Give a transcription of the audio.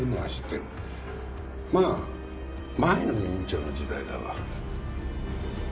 まあ前の院長の時代だが。